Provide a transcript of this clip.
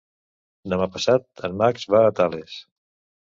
Demà passat en Max va a Tales.